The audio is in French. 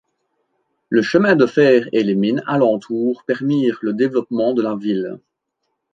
Le chemin de fer et les mines alentour permirent le développement de la ville.